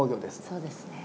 そうですね。